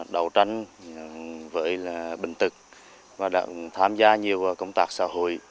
đấu tranh với bình tực và đã tham gia nhiều công tác xã hội